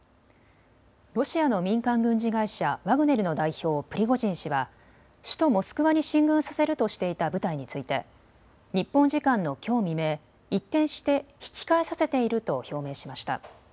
ロシアの民間軍事会社、ワグネルの代表、プリゴジン氏は首都モスクワに進軍させるとしていた部隊について、日本時間のきょう未明、一転して引き返させていると表明しました。